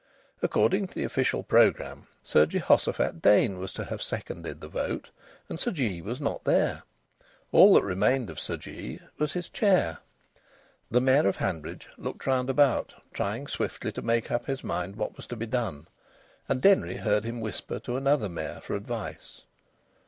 According to the official programme Sir Jehoshophat Dain was to have seconded the vote, and Sir Jee was not there. All that remained of Sir Jee was his chair. The Mayor of Hanbridge looked round about, trying swiftly to make up his mind what was to be done, and Denry heard him whisper to another mayor for advice.